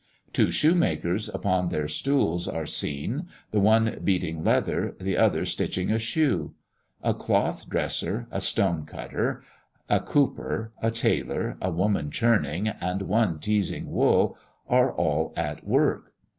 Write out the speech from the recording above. Two shoemakers upon their stools are seen, the one beating leather, and the other stitching a shoe. A cloth dresser, a stone cutter, a cooper, a tailor, a woman churning, and one teasing wool, are all at work.